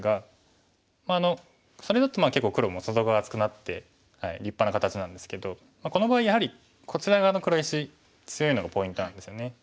それだと結構黒も外側厚くなって立派な形なんですけどこの場合やはりこちら側の黒石強いのがポイントなんですよね。